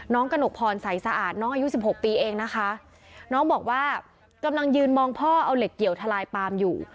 กระหนกพรใส่สะอาดน้องอายุสิบหกปีเองนะคะน้องบอกว่ากำลังยืนมองพ่อเอาเหล็กเกี่ยวทลายปามอยู่